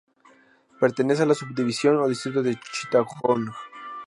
Pertenece a la subdivisión o Distrito de Chittagong.